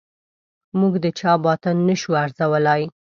موږ د چا باطن نه شو ارزولای.